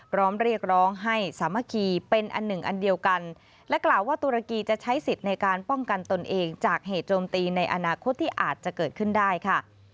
เรียกร้องให้สามัคคีเป็นอันหนึ่งอันเดียวกันและกล่าวว่าตุรกีจะใช้สิทธิ์ในการป้องกันตนเองจากเหตุโจมตีในอนาคตที่อาจจะเกิดขึ้นได้ค่ะ